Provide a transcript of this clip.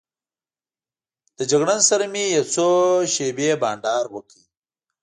له جګړن سره مې یو څو شېبې بانډار وکړ.